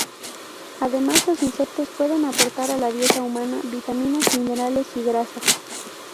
Además los insectos pueden aportar a la dieta humana vitaminas, minerales y grasas.